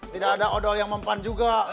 tidak ada odol yang mempan juga